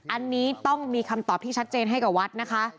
อันนี้ต้องมีคำตอบที่ชัดเจนให้กับวัดนะคะ